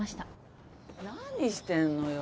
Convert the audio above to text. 何してんのよ。